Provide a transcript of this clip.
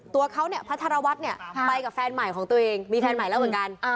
ตัวเขาเนี่ยพระธรวัฒน์เนี่ยไปกับแฟนใหม่ของตัวเองมีแฟนใหม่แล้วเหมือนกัน